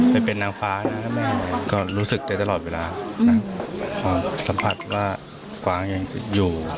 ไปเป็นนางฟ้านะทำไมก็รู้สึกได้ตลอดเวลาความสัมผัสว่าแม่กวางยังจะอยู่